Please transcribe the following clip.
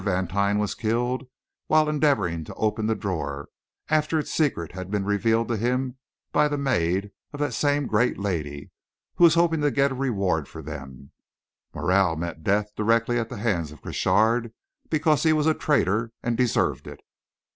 Vantine was killed while endeavouring to open the drawer after its secret had been revealed to him by the maid of that same great lady, who was hoping to get a reward for them; Morel met death directly at the hands of Crochard because he was a traitor and deserved it."